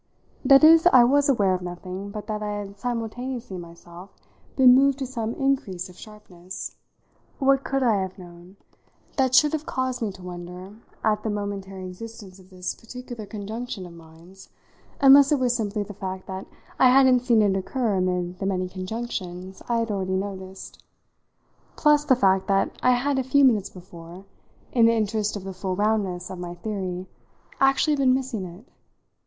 That is I was aware of nothing but that I had simultaneously myself been moved to some increase of sharpness. What could I have known that should have caused me to wonder at the momentary existence of this particular conjunction of minds unless it were simply the fact that I hadn't seen it occur amid the many conjunctions I had already noticed plus the fact that I had a few minutes before, in the interest of the full roundness of my theory, actually been missing it?